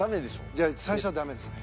じゃあ最初はダメですね。